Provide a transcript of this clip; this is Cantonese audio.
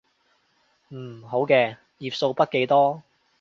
嗯，好嘅，頁數筆記多